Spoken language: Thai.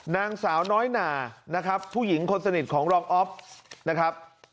นางสาวน้อยหนานะครับผู้หญิงคนสนิทของรองอ๊อฟนะครับ